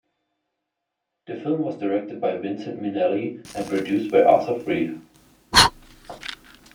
The film was directed by Vincente Minnelli and produced by Arthur Freed.